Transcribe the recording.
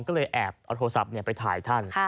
ก็เลยแอบเอาโทรศัพท์ไปถ่ายท่าน